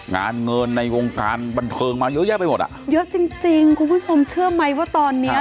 งานเงินในวงการบันเทิงมาเยอะแยะไปหมดอ่ะเยอะจริงจริงคุณผู้ชมเชื่อไหมว่าตอนเนี้ย